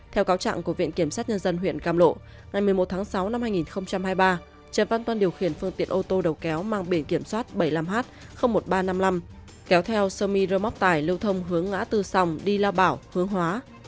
theo cáo trạng của viện kiểm sát nhân dân huyện cam lộ ngày một mươi một tháng sáu năm hai nghìn hai mươi ba trần văn tuân điều khiển phương tiện ô tô đầu kéo mang biển kiểm soát bảy mươi năm h một nghìn ba trăm năm mươi năm kéo theo sơ mi rơ móc tài lưu thông hướng ngã tư sòng đi lao bảo hướng hóa